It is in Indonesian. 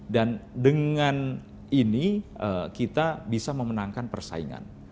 dan dengan ini kita bisa memenangkan persaingan